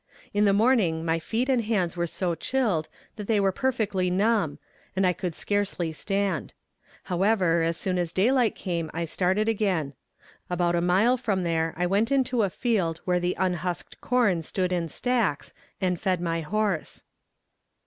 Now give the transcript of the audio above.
In the morning my feet and hands were so chilled that they were perfectly numb, and I could scarcely stand. However, as soon as daylight came I started again. About a mile from there I went into a field where the unhusked corn stood in stacks, and fed my horse.